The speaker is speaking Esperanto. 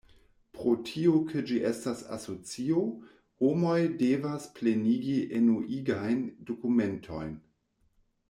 Pro tio ke ĝi estas asocio, homoj devas plenigi enuigajn dokumentojn.